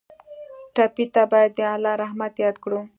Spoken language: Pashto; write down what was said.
ټپي ته باید د الله رحمت یاد کړو.